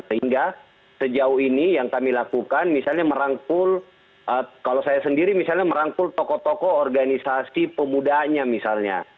sehingga sejauh ini yang kami lakukan misalnya merangkul kalau saya sendiri misalnya merangkul tokoh tokoh organisasi pemudanya misalnya